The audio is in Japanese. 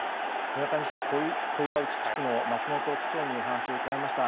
村上市小岩内地区の松本区長にお話を伺いました。